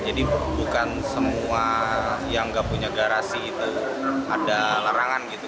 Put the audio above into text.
jadi bukan semua yang tidak punya garasi itu ada larangan gitu